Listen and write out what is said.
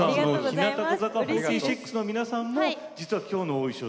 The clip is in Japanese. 日向坂４６の皆さんも実は今日のお衣装